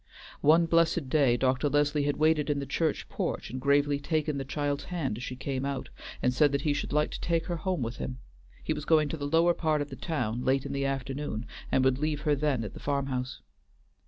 One blessed day Dr. Leslie had waited in the church porch and gravely taken the child's hand as she came out; and said that he should like to take her home with him; he was going to the lower part of the town late in the afternoon and would leave her then at the farm house.